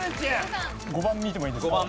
５番見てもいいですか？